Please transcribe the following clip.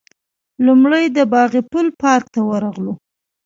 لومړی د باغ پل پارک ته ورغلو.